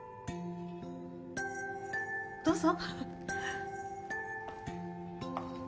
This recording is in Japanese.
どうぞ。